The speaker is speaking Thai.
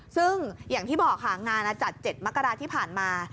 ซึ่งอย่างที่บอกค่ะงานจัด๗มกราที่ผ่านมา